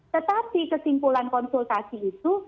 tetapi kesimpulan konsultasi itu